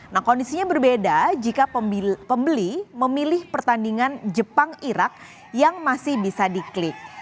nah kondisinya berbeda jika pembeli memilih pertandingan jepang irak yang masih bisa diklik